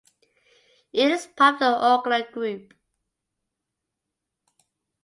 It is part of the Orkla Group.